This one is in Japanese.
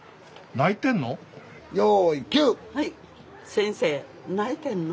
「先生泣いてんの？」。